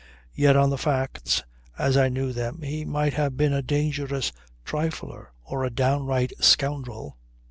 Yet on the facts as I knew them he might have been a dangerous trifler or a downright scoundrel.